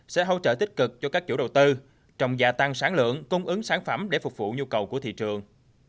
sẽ hỗ trợ tích cực cho các chủ đầu tư trồng giả tăng sản lượng cung ứng sản phẩm để phục vụ nhu cầu của thị trường